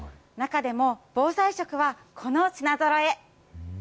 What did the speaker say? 中でも防災食はこの品ぞろえ。